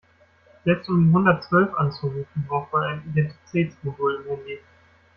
Selbst um die hundertzwölf anzurufen, braucht man ein Identitätsmodul im Handy.